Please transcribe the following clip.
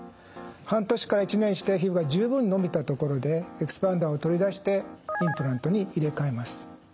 半年から１年して皮膚が十分伸びたところでエキスパンダーを取り出してインプラントに入れ替えます。